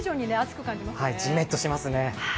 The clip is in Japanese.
じめっとしますね。